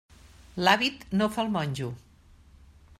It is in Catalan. L'hàbit no fa el monjo.